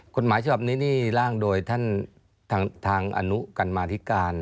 คุณหมายเฉพาะนี้ล่างโดยทางอนุกันมาทิการ